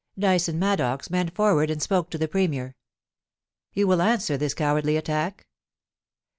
Dyson Maddox bent forward and spoke to the Premier :* You will answer this cowardly attack